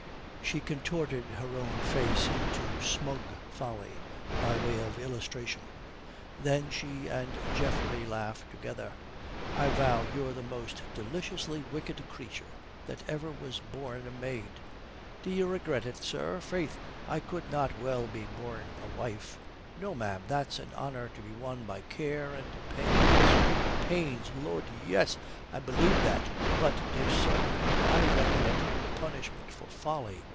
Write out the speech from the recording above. She contorted her own face into smug folly by way of illustration. Then she and Geoffrey laughed together. "I vow you're the most deliciously wicked creature that ever was born a maid." "D'ye regret it, sir? Faith, I could not well be born a wife." "No, ma'am, that's an honour to be won by care and pains." "Pains! Lud, yes, I believe that. But, dear sir, I reckon it the punishment for folly.